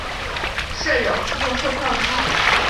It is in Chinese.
设有自动售票机。